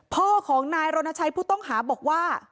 พ่อของนายรณชัยผู้ต้องหาบอกว่า